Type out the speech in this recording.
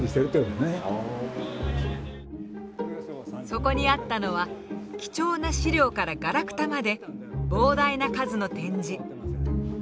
そこにあったのは貴重な資料からガラクタまで膨大な数の展示。